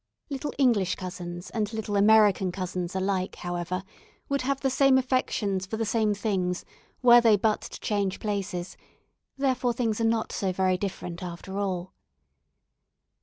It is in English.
Little English cousins and Little American cousins alike, however, would have the same affections for the same things were they but to change places, therefore things are not so very different after all.